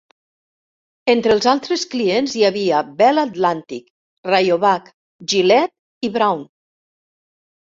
Entre els altres clients hi havia Bell Atlantic, Rayovac, Gillette i Braun.